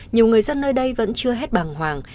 nhiều người dân nơi đây vẫn chưa hết bàng hoàng